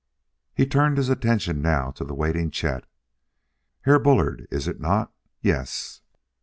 He turned his attention now to the waiting Chet. "Herr Bullard, iss it not yess?"